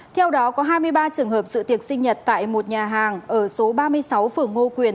theo đó có hai mươi ba trường hợp sự tiệc sinh nhật tại một nhà hàng ở số ba mươi sáu phường ngô quyền